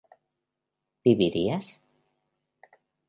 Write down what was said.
¿vivirías?